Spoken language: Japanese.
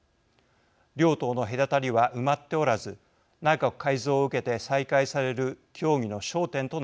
両党の隔たりは埋まっておらず内閣改造を受けて再開される協議の焦点となります。